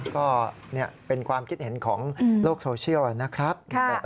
ก็เป็นความคิดเห็นของโลกโซเชียลนะครับ